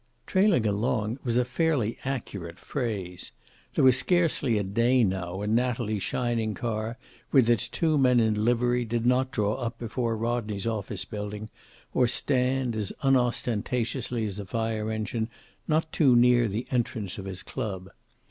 Trailing along was a fairly accurate phrase. There was scarcely a day now when Natalie's shining car, with its two men in livery, did not draw up before Rodney's office building, or stand, as unostentatiously as a fire engine, not too near the entrance of his club.